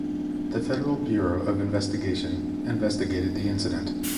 The Federal Bureau of Investigation investigated the incident.